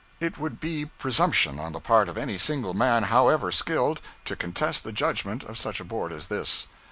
It would be presumption on the part of any single man, however skilled, to contest the judgment of such a board as this.